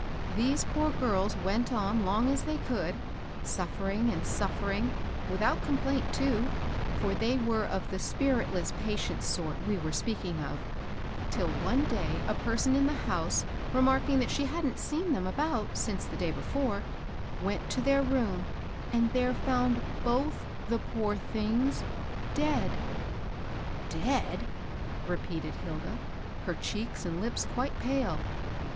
These poor girls went on long as they could, suffering and suffering, without complaint, too, — for they were of the spiritless, patient sort we were speak ing of ,— till one day a person in the house remark ing that she hadn't seen them about since the day before, went to their room, and there found both the poor things — dead." ^^ Dead I " repeated Hilda, her cheeks and lips quite pale.